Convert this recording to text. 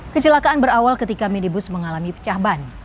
kecelakaan berawal ketika minibus mengalami pecah ban